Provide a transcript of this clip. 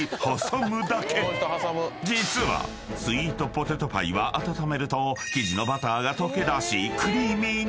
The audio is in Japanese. ［実はスイートポテトパイは温めると生地のバターが溶け出しクリーミーに］